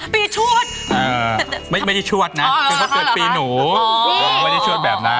ปีชวดไม่ได้ชวดนะมีชวดพี่หนูไม่ได้แบบนั้น